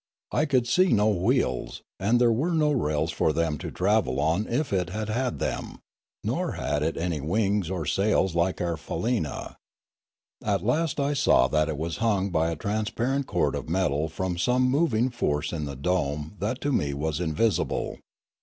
I could see no wheels, and there were no rails for them to travel on if it had had them, nor had it any wings or sails like our faleena. At last I saw that it was hung by a transparent cord of metal from some moving force in the dome that to me was invisible.